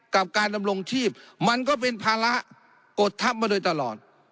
กับการดำรงชีพมันก็เป็นภาระกฎทัพมาโดยตลอด